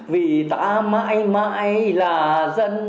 vì ta mãi mãi là dân cụ hồ